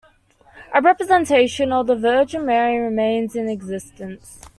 A representation of the Virgin Mary remains in existence.